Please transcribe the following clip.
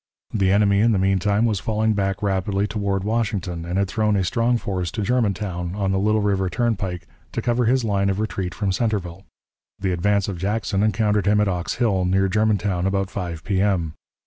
The enemy in the mean time was falling back rapidly toward Washington, and had thrown a strong force to Germantown, on the Little River turnpike, to cover his line of retreat from Centreville. The advance of Jackson encountered him at Ox Hill, near Germantown, about 5 P.M.